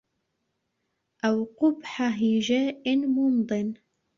أَوْ قُبْحَ هِجَاءٍ مُمْضٍ